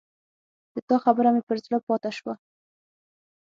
د تا خبره مې پر زړه پاته شوه